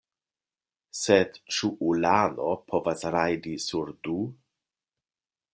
Sed ĉu ulano povas rajdi sur du?